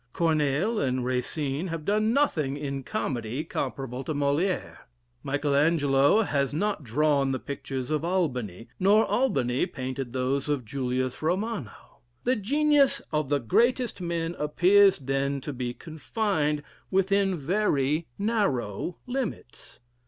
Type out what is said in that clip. Corneille and Racine have done nothing in comedy comparable to Molière: Michael Angelo has not drawn the pictures of Albani, nor Albani painted those of Julius Romano. The genius of the greatest men appears then to be confined within very narrow limits.